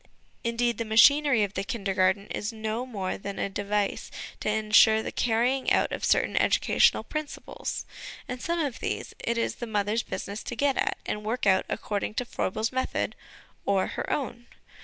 Indeed, the machinery of the Kindergarten is no more than a device to ensure the carrying out of certain educa tional principles, and some of these it is the mother's business to get at, and work out according to Froebel's method or her own.